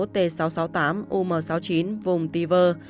t sáu trăm sáu mươi tám um sáu mươi chín vùng tivr